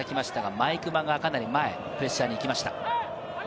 毎熊が、かなり前にプレッシャーに行きました。